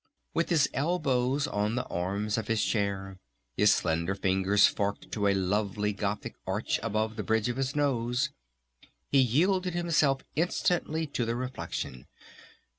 With his elbows on the arms of his chair, his slender fingers forked to a lovely Gothic arch above the bridge of his nose, he yielded himself instantly to the reflection.